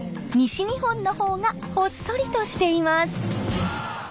西日本の方がほっそりとしています。